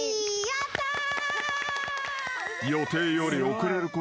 やったー。